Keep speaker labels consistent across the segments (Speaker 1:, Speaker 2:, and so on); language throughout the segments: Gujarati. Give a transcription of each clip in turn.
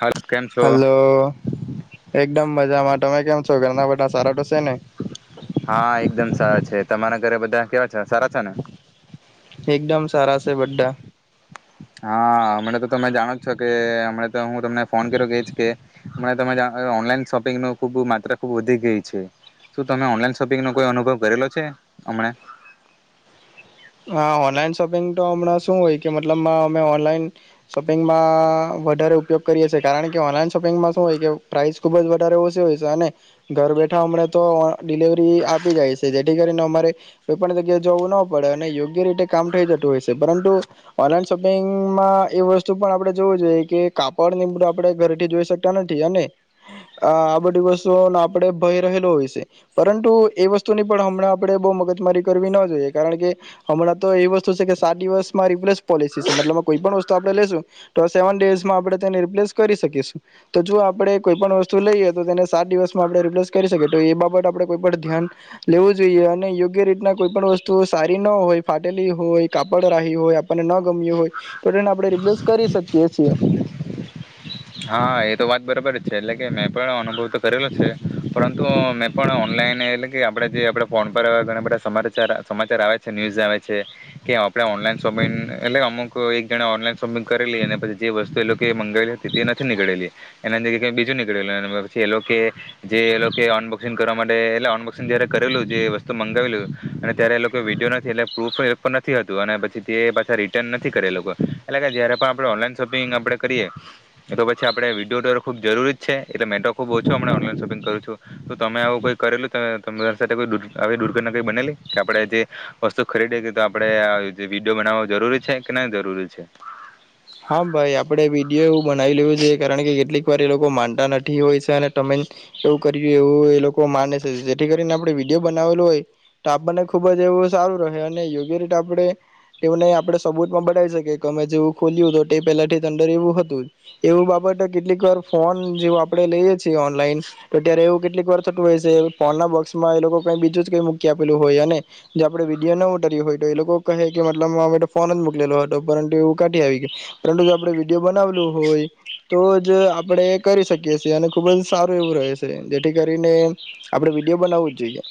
Speaker 1: હાલ કેમ છો?
Speaker 2: હલો એકદમ મજામાં તમે કેમ છો ઘરના બધા સારા તો છે ને?
Speaker 1: હા એકદમ સારા. છે તમારા ઘરે બધા કેવા છે સારા છે ને?
Speaker 2: એકદમ સારા છે બધા.
Speaker 1: હા હમણા તો તમે જાણો જ છો કે હમણા તો હું તમને ફોન કર્યો કે કે હમ તમે ઓનલાઈન શોપિંગ ન ખૂબ માત્રા ખુબ વધી ગઈ છે. શું તમે ઓનલાઈન શોપિંગ ન કોઈ અનુભવ કરેલો છે હમણા.
Speaker 2: હા ઓનલાઈન શોપિંગ તો હમણાં શું હોય કે મતલબમાં અમે ઓનલાઈન શોપિંગમાં વધારે ઉપયોગ કરીએ છીએ કારણ કે ઓનલાઈન શોપિંગમાં શું હોય કે પ્રાઇસ ખૂબ જ વધારે ઓછી હોય છે અને ઘર બેઠા હમણાં તો ડિલિવરી આપી જાય છે જેથી કરીને અમારે કોઈ પણ જગ્યાએ જવું ન પડે. યોગ્ય રીતે કામ થઈ જતું હોય છે પરંતુ ઓનલાઈન શોપિંગમાં એ વસ્તુ પણ આપણે જોવું જોઈએ કે કાપડનીડું આપણેે ઘરેથી જોઈ શકતા નથી અને આ બધી વસ્તુઓનો આપણે ભય રહેલો હોય છે પરંતુ એ વસ્તુની પણ હમણાં આપણે બહુ મગજમારી કરવી ન જોઈએ. કારણ કે હમણાં તો એ વસ્તુ છે કે સાત દિવસમાં રિપ્લેસ પોલિસી છે મતલબ કોઈ પણ વસ્તુ આપણે લેશું તો આ સેવન ડેઝમાં આપણે તેને રિપ્લેસ કરી શકીશું તો જો આપડે કોઈ પણ વસ્તુ લઈએ તો તેને સાત દિવસમાં આપણે રિપ્લેસ કરી શકીએ તો એ બાબત આપે કોઈ પણ ધ્યાન લેવું જોઈએ. અને યોગ્ય રીતના કોઈ પણ વસ્તુ સારી ન હોય ફાટેલી હોય કાપડ રાહી હોય આપણને ન ગમ્યું હોય તો તેને આપણે રિપ્લેસ કરી શકીએ છીએ.
Speaker 1: હા એ તો વાત બરાબર જ છે એટલે કે મેં પણ અનુભવ તો કરેલો છે. પરંતુ મેં પણ ઓનલાઈન એટલે કે આપણે જે આપણે ફોન પર ઘણા બધા સમાચાર સમાચાર આવે છે ન્યૂઝ આવે છે કે આપણે ઓનલાઈન શોપિંગ એટલે અમુક એક જણે ઓનલાઈન શોપિંગ કરેલી અને પછી જે વસ્તુ એ લોકો મંગાવેલી હતી. તે નથી નીકળેલી એના અંદર કઈ બીજું નીકળેલું પછી એ લોકો જે એ લોકો અનબોક્સિંગ કરવા માટે એટલે અનબોક્સિંગ જયારે કરેલું જે વસ્તુ મંગાવેલું અને ત્યારે એ લોકો વિડીયો નથી એટલે પ્રૂફ પણ નથીતું અને પછી તે પાછા રિટર્ન નથી કરે એ લોકો એટલે કે જયારે પણ આપણે ઓનલાઈન શોપિંગ આપણે કરીએ. એ તો પછી આપડણે વિડીયો ડર ખૂબ જરૂરી જ છે. એટલે મેટો ખુબ ઓછો હ ઓનલાઈન શોપિંગ કરું છું તો તમે આવું કોઈ કરેલું તમારી સાથે કોઈ આવી દુર્ઘટના કઈ બનેલી કે આપણે જે વસ્તુ ખરીદીએ તો આપડણે વિડીયો બનાવો જરૂરી છે કે નહી જરૂરી છે.
Speaker 2: હા ભાઈ આપડે વિડીયો બનાવી લેવું જોઈએ કારણ કેટલીક એક વાર એ લોકો માનતા નથી હોય છે અને તમે એવું કર્યું એવું એ લોકો માને છે. જેથી કરીને આપડે વિડીયો બનાવેલું હોય તો આપણને ખુબ જ એવું સારું રહે અને યોગ્ય રીતે આપણે એને આપણે સબૂતમાં બનાવી શકીએ કે અમે જેવું ખોલ્યું લેઓ તે પહેલાથી અંદર એવું હતું એવું બાબત કેટલીક વાર ફોન જેવો આપણેે લઈએ છીએ. ઓનલાઈન તો ત્યારે એવું કેટલીક વાર થતું હોય છે ફોન ના બોક્સમાં એ લોકો કઈ બીજું જ કઈ મૂકી આપેલું હોય અને જે આપણે વિડીયો ના ઉતર્યું હોય તો એ લોકો કહે કે મતલબ અમે તો ફોન જ મકલેલો હતો પરંતુ એવું ક આવી ગયુ. પરંતુ જો આપણે વિડીયો બનાવલું હોય તો જ આપણે કરી શકીએ છીએ અને ખૂબ જ સારું એવું રહે છે જેથી કરીને આપણે વિડીયો બનાવવુ જ જોઈએ.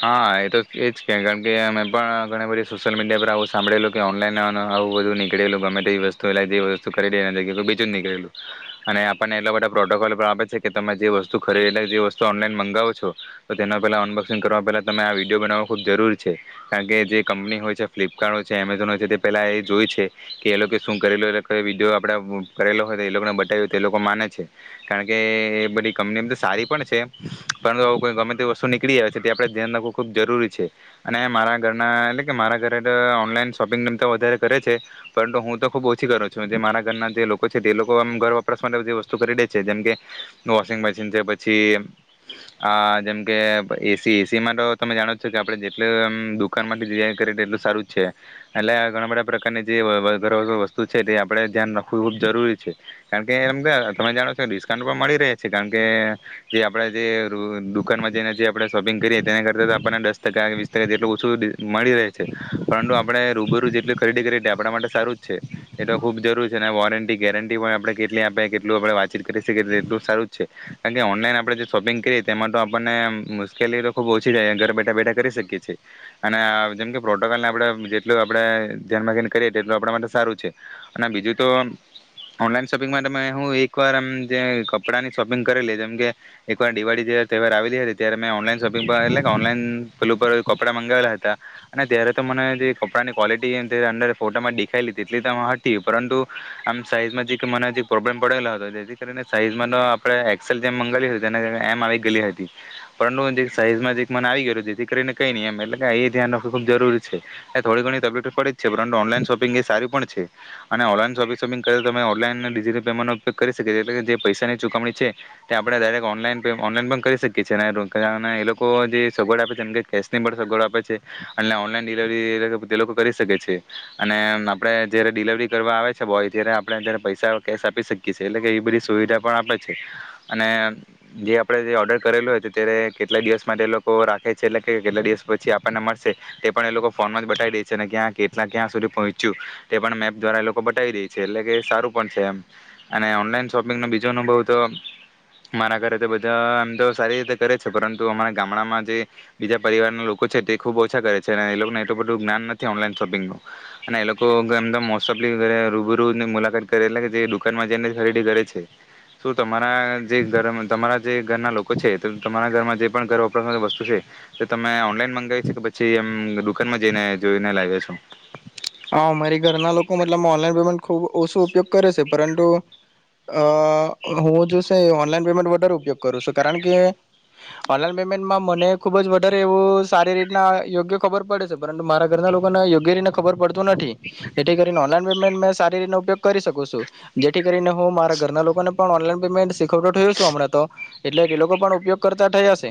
Speaker 1: હા એ તો એજ કે કારણ કે મેં પણ ઘણી બધી સોશિયલ મીડિયા પર આવું સાંભળેલું કે ઓનલાઈન આવું બધું નીકળેલું ગમે તે વસ્તુ એ વસ્તુ ખરી બીજું જ નીકળેલું અને આપણને એટલા બધા પ્રોટોકોલ પણ આપે છે કે તમે જે વસ્તુ ખરીદ જે વસ્તુ ઓનલાઈન મંગાવો છો તો તેનો પેલા અનબોક્સિંગ કરવા પહેલાં તમે આ વિડીયો બનાવો ખૂબ જરૂર છે. કારણ કે જે કંપની હોય છે ફ્લિપકાર્ટ હોય છે એમેઝોન હોય છે તે પહેલાં એ જોય છે કે એ લોકો શું કરેલો વિડીયો આપણે કરેલો હોય તો એ લોકોને બતાવ્યું હોય તો એ લોકો માને છે. કારણ કે એ બધી કંપની એમ તો સારી પણ છે પરંતુ આવઈ ગમે તે વસ્તુ નીકળી આવે છે ત આપ ધ્યાન રાખવું ખૂબ જરૂરી છે અને મારા ઘરના એટલે કે મારા ઘરે ઓનલાઈન શોપિંગમ તો વધારે કરે છે પરંતુ હું તો ખૂબ ઓછી કરું છું જે મારા ઘરના જે લોકો છે તે લોકોમ ઘર વાપરાસ માટે બધી વસ્તુ ખરીદે છે જેમકે વોશિંગ મશીન છે પછી આ જેમકે એસી સી એસીમાં તો તમે જાણો છો કે આપણે જેટલું અમ દુકાનમાંથી ડિઝઇન કરીએ એટલું સારું જ છે એટલે ઘણા બધા પ્રકારની જે વ ઘર વર વસ્તુ છે તે આપણે ધ્યાન રાખવું ખૂબ જરૂરી છે કારણ કે એમ તમે જાણો છો કે ડિસ્કાઉન્ટ પણ મળી રહે છે કારણ કે જે આપણે જે દુ દુકાનમાં જઈને જે આપણે શોપિંગ કરીએ તેના કરતાં તો આપણને દસ ટકા વીસ ટકા જેટલું ઓછું મળી રહે છે પરંતુ આપણે રૂબરૂ જેટલી ખરીદી કરીએ આપણા માટે સારું જ છે એ તો ખૂબ જરૂરી છે અને વોરંટી ગેરંટી પણ આપણે કેટલી આપી કેટલું આપણે વાતચીત કરી શકીએ કે એટલું સારું જ છે કારણ કે ઓનલાઈન આપણે જે શોપિંગ કરીએ તેમાં તો આપણને અ લી તો ખુબ ઓછી જાય ઘરે બેઠા બેઠા કરી શકીએ છીએ અને જેમકે પ્રોટોકોલને આપણે જેટલું આપણે ધ્યાનમાંખીને કરીએ તેટલું આપણા માટે સારું છે. અને બીજું તો ઓનલાઈન શોપિંગ માટે મે હું એકવાર એમ જે કપડાંની શોપિંગ કરેલી જેમકે એકવાર દિવાળી તહેવાર આવેલી હતી ત્યારે ને ઓનલાઈન શોપિંગ પર એટલે કે ઓનલાઈન પેલુ ઉપર કપડા મંગાવેલા હતા અને ત્યારે તો મને જે કપડાંની ક્વોલિટી અંદર ફોટામાં દેખાયેલી હતી તેટલી તો હતી પરંતુ આમ સાઈઝમાં જે મને જે પ્રોબ્લેમ પડેલો હતો જેથી કરીને સાઈઝમાં આપણે એક્સેલ જેમ મંગાવલી હતી તે એમ આવી ગયલી હતી. ને પરંતુ જે સાઈઝમાં જે એક મન આવી ગયું છે જેથી કરીને કઈ નહીં એમ એટલે કે એ ધ્યાન રાખવ ખૂબ જરૂરી છે એ થોડી ઘણી તકલીફ પડી જ છે પરંતુ ઓનલાઈન શોપિંગ એ સારી પણ છે અને ઓનલાઈન શોપિંગ શોપિંગ કરતા તો તમે ઓનલાઈન અને ડિજિટલ પેમેન્ટનો ઉપયોગ કરી શકીએ છીએ. એટલે જે પૈસાની ચૂકવણી છે તે આપણે ડાયરેક્ટ ઓનલાઈન ઓનલાઈન પણ કરી શકીએ છીએ. અને એ લોકો જે સગવડ આપે છે એમ કે કેશની પણ સગવડ આપે છે એટલે ઓનલાઈન ડિલેવરી એ લોકો કરી શકે છે અને આપણે જયારે ડિલેવરી કરવા આવે છે બોય ત્યારે આપણે જ્યારે પૈસા કેશ આપી શકીએ છીએ એટલે કે એ બધી સુવિધા પણ આપે છે. અને જે આપણે જે ઓર્ડર કરેલો હોય અત્યારે કેટલા દિવસ માટે એ લોકો રાખે છે એટલે કે કેટલા દિવસ પછી આપણને મળશે તે પણ એ લોકો ફોનમાં જ બતાવી દે છે અને ક્યાં કેટલા ક્યાં સુધી પહોંચ્યું તે પણ મેપ દ્વારા એ લોકો બતાવી દે છે એટલે કે સારું પણ છે એમ અને ઓનલાઈન શોપિંગનો બીજો અનુભવ તો મારા ઘરે તો બધા એમ તો સારી રીતે કરે છે, પરંતુ અમારા ગામડામાં જે બીજા પરિવારના લોકો છે, તે ખૂબ ઓછા કરે છે અને એ લોકોને એટલું બધું જ્ઞાન નથી ઓનલાઈન શોપિંગનું અને એ લોકો મોસ્ટ ઓફલી રૂબરૂની મુલાકાત કરે, એટલે કે જે દુકાનમાં જઈને ખરીદી કરે છે. શું તમારા જે તમારા જે ઘરના લોકો છે તમારા ઘરમાં જે પણ ઘરવપરાસ વસ્તુ છે, એ તમે ઓનલાઈન મંગાવી છે કે પછી એમ દુકાનમાં જઈને જોઈને લાવ્યા છો.
Speaker 2: હા. મારી ઘરના લોકો મતલબ માં ઓનલાઈન પેમેન્ટ ખુબ ઓછું ઉપયોગ કરે છે, પરંતુ અ હું જો છે ઓનલાઈન પેમેન્ટ વધારે ઉપયોગ કરું છું, કારણ કે ઓનલાઈન પેમેન્ટમાં મને ખુબ જ વધારે એવું સારી રીતના યોગ્ય ખબર પડે છે, પરંતુ મારા ઘરના લોકોને યોગ્ય રીતના ખબર પડ આવતું નથી, જેથી કરીને ઓનલાઇન પેમેન્ટ માં સારી રીતના ઉપયોગ કરી શકું છુ, જેથી કરીને હું મારા ઘરના લોકો ને પણ ઓનલાઇન પેમેન્ટ શીખ [unintelligible] થયુ હમણાં તો એટલે એ લોકો પણ ઉપયોગ કરતા થઈ જશે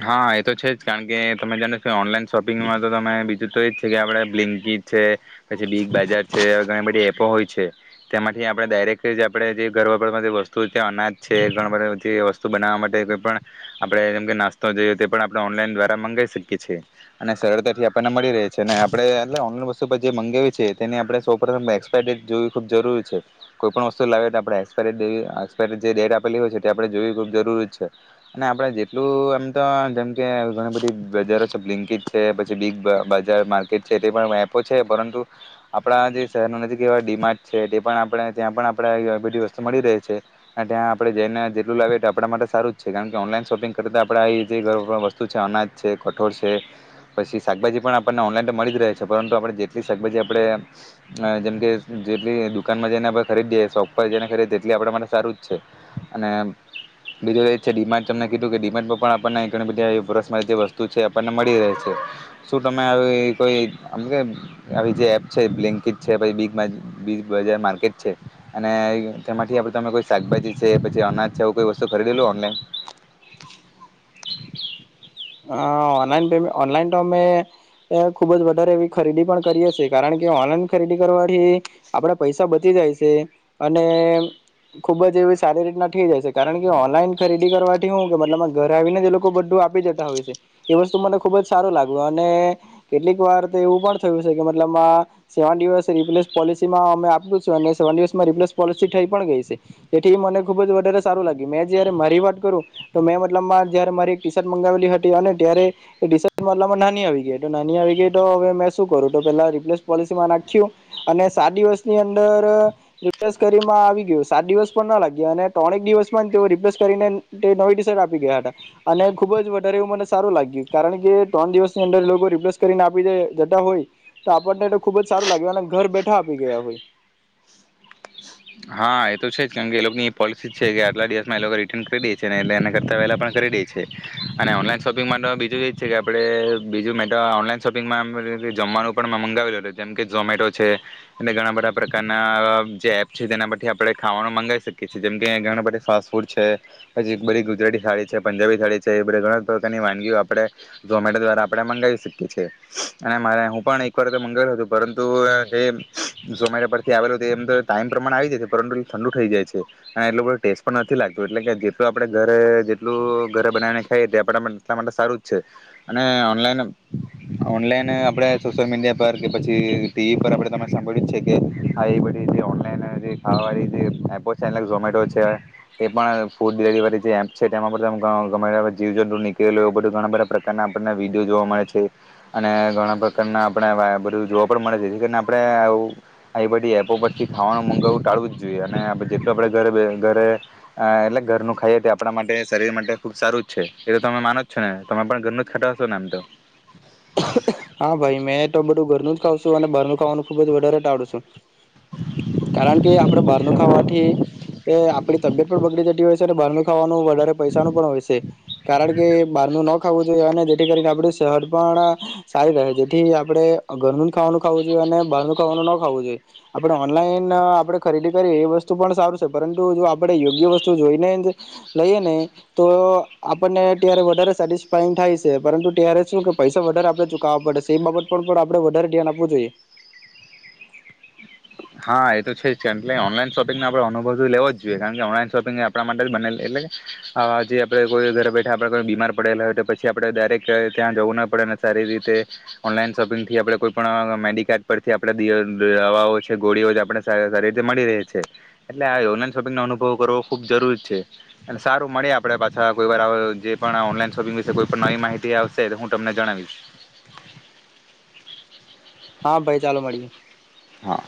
Speaker 1: હા. એ તો છે જ કારણ કે તમે જાણો છો કે, ઓનલાઈન શોપિંગમાં તો તમે બીજું તો એ જ છે, કે આપણે બ્લિકીટ છે પછી બીગ બાજર છે. ઘણી બધી એપો હોય. છે. તેમાંથી આપણે ડાયરેક્ટ જ આપણે જે ઘર વપરાશ વાળી જે વસ્તુ અનાજ છે. ઘર બધ જે વસ્તુ બનાવવા માટે કોઈ પણ આપણે જેમ કે નાસ તો જોઈએ, તે પણ આપણે ઓનલાઈન દ્વારા મંગાવી શકીએ છીએ અને સરળતાથી આપણને મળી રહે છે અને આપણે એટલે ઓનલાઈન વસ્તુ પર જે મંગાવયે છેએ, તેની આપણે સૌપ્રથમ એક્સપાયરી ડેટ જોવી ખૂબ જરૂરી છે. કોઈ પણ વસ્તુ લાવે તો આપણે એક્સપાય એક્સપાયરી જે ડેટ આપેલી હોય છે, તે આપણે જોવી ખૂબ જરૂરી છે અને આપણે જેટલું એમ અ જેમકે ઘણી બધી બજારો છે, બ્લિકિટ છે, પછી બિગ બજાર માર્કેટ છે, તે પણ એપો છે, પરંતુ આપણા જે શહેરના નજીક એવા ડીમાર્ટ છે, તે પણ આપણે ત્યાં પણ આપણે બધી વસ્તુ મળી રહે છે અને ત્યાં આપણે જઈને જેટલું લાવીએ તો આપણા માટે સારું જ છે કારણ કે ઓનલાઈન શોપિંગ કરતા આપણે એ ઘર વપરાશ વસ્તુ છે, અનાજ છે, કઠોળ છે, પછી શાકભાજી પણ આપણને ઓનલાઈન તો મળી જ રહે છે, પરંતુ આપણે જેટલી શાકભાજી આપણે જેમકે જેટલી દુકાનમાં જઈને આપણે ખરીદીએ, શોપ પર જઈને ખરીદીએ તેટલી આપડા માટે સારું જ છે અને બીજું એ જ છે ડીમાટ તમને કીધું કે ડીમાટમાં પણ નાય ઘણી બધી ઘર વપરાશ વસ્તુ છે. આપણને મળી રહે છે. શું તમે આવી કોય આમ આવી એપ છે બ્લિંકિટ છે, બિગ બજાર માર્કેટ છે અને તેમાંથી તમે કોઈ શાકભાજી છે, કે અનાજ છે એવું વસ્તુ ખરીદેલુ ઓનલાઇન.
Speaker 2: અ ઓનલાઈન પેમે ઓનલાઈન તો અમે ખુબ જ વધારે એવી ખરીદી પણ કરીએ છીએ કારણ કે ઓનલાઈન ખરીદી કરવાથી, આપડા પૈસા બચી જાય છે અને ખુબ જ એવી સારી રીતના થઈ જાય છે, કારણ કે ઓનલાઈન ખરીદી કરવાથી કે હુ મતલબ ઘરે આવીને એ લોકો બધું આપી જ માંગવેલી. એ વસ્તુ માટે ખુબ સારું લાગ્યું અને કેટલીક વાર તો એવું પણ થયું છે કે, મતલબ માં સેવન દિવસ માં રિપલેસ પોલિસી મા આપ્યે છે અને સેવન દિવસ માં રિપ્લેસ પોલિસી થઈ પણ ગઈ છે, જેથી મને ખુબ જ વધારે સારું લાગ્યું. મે જયારે મારી વાત કરું તો મેં મતલબ માં જયારે, મારી એક ટી શર્ટ મગાવેલી મગાવી હતી અને ત્યારે ટીશર્ટ મતલબ માં નાની આવી ગઈ તો, નાની આવી ગઈ તો મે શું કરું? રિપ્લેસ પોલીસીમાં નાખયુ અને સાત દિવસની અંદર રિપ્લેસ કરી માં આવી ગયું. સાત દિવસ પણ ના લાગ્યા અને ત્રણેક દિવસ માં રીપલેસ કરીને નવી ટીશર્ટ આપી ગયા હતા અને ખુબ જ એવું મને સારું લાગ્યું કારણ કે ત્રણ દિવસની અંદર લોકો રિપ્લેસ કરીને આપી જતા હોય તો, આપણને તો ખુબ જ સારું લાગ્યું અને ઘર બેઠા આપી ગયા હોય.
Speaker 1: હા. એ તો છે જ કેમ કે એ લોકોની પોલિસી છે કે, આટલા દિવસમાં એ લોકો રિટર્ન કરી દે છે ને એટલે એને કરતા પહેલા પણ કરી દે છે અને ઓનલાઈન શોપિંગ માટે તો, બીજું એજ છે કે આપણે બીજું મે ઓનલાઈન શોપિંગમાં જમવાનું પણ મંગાવેલું હતું, જેમકે ઝોમેટો છે. અને ઘણા બધા પ્રકારના અ ચેપ. છી તેના પરથી આપણે ખાવાનું મંગાવી શકીએ છીએ, જેમ કે ઘણા બધા ફાસ્ટ ફૂડ છે, પછી બધી ગુજરાતી થાળી છે, પંજાબી થાળી છે એ બધા ઘણા પ્રકારની વાનગીઓ આપડે ઝોમેટો દ્વારા આપણે મંગાવી શકીએ છે અને મારે હું પણ એક વાર તો મંગાવેલુ તું, પરંતુ આ એમ ઝોમેટો પરથી આવેલું તે એમ તો ટાઈમ પ્રમાણે આવી જાય છે, પરંતુ ઠંડુ થઈ જાય છે અને એટલો બધો ટેસ્ટ પણ નથી લાગતું, એટલે કે જેટલું આપણે ઘરે જેટલું ઘરે બનાવીને ખાઈએ તે આપને એટલા માટે સારું જ છે અને ઓનલાઈન ઓનલાઈન આપણે સોશિયલ મીડિયા પર કે, પછી ટીવી પર આપણે તમે સાંભળ્યું જ છે કે આવી બધી તે ઓનલાઇન અને જે ખાવા વાળી જે એપો છે ઝોમેટો છે, એ પણ ફૂડ ડિલિવરી, જે એપ છે તેમાં પણ જીવ જંતુ નીકળેલુ એવા ઘણા બધા પ્રકારના આપણને વિડીયો જોવા મળે છે અને ઘણા પ્રકારના આપણે બધું જોવા પણ મળે છે, જેથી કરીને આપણે આવી બધી એપો પરથી ખાવાનું મગાવું ટાળવું જ જોઈએ અને જેટલું આપડે ઘરે ઘરે એટલે ઘરનું ખાઈએ તે આપણા માટે શરીર માટે ખુબ સારું જ છે, એ તો તમે માનો જ છો ને, તમે પણ ઘરનું જ ખાતા હશો ને આમ તો.
Speaker 2: હા ભાઈ મેં તો બધું ઘરનું જ ખાવશું અને બારનું ખાવાનું ખુબ જ વધારે ટાળું છું, કારણ કે આપડે બહારનું ખાવાથી આપડી તબિયત પણ બગડી જતી હોય છે અને બહારનું ખાવાનું વધારે પૈસાનું પણ હોય છે, કારણ કે બહારનું ન ખાવું જોઈએ અને જેથી કરીને આપડી સેહત પણ સારી રહે જેથી આપણેે ઘરનું જ ખાવાનું ખાવું જોઈએ અને બહારનું ખાવાનું ન ખાવું જોઈએ. આપણે ઓનલાઈન આપડે ખરીદી કરીએ એ વસ્તુ પણ સારું છે, પરંતુ જો આપણેે યોગ્ય વસ્તુ જોઈને જ લઈએ ને તો, આપણને ત્યારે વધારે સેટિસ્ફાઈંન થાય છે, પરંતુ ત્યારે શું કે પૈસા વધારે [unintelligible] ચુકાવવા પડે છે, એ બાબત પર પણ આપડે વધારે ધ્યાન આપવું જોઈએ.
Speaker 1: હા એ તો છે જ એટલે ઓનલાઈન શોપિંગનો આપણે અનુભવ તો લેવો જ જોઈએ, કારણ કે ઓનલાઈન શોપિંગ આપણા માટે જ એટલે કે જે આપણે કોઈ ઘરે બેઠા, આપડે કોઈ બીમાર પડેલા હોય તો પછી આપણે ડાયરેક્ટ ત્યાં જવું ન પડે સારી રીતે ઓનલાઈન શોપિંગ થી આપણે કોઈ પણ મેડિકેટ પરથી આપણે દવાઓ છે ગોળીઓ જ આપણે સારી રીતે મળી રહી છે એટલે આ ઓનલાઈન શોપિંગ નો અનુભવ કરવો ખુબ જરૂરી છે અને સારું મળયે આપડે પાછા કોઈ વાર પણ ઓનલાઈન શોપિંગ વિશે કોઈ પણ નવી માહિતી આવશે તો હું તમને જણાવીશ.
Speaker 2: હા ભાઈ ચાલો મળ્યે.
Speaker 1: હા